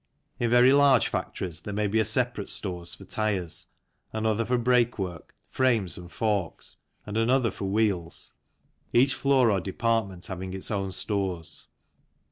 In very large factories there may be a separate stores for tyres, another for brakework, frames and forks, and another for wheels, each floor or department having its own stores.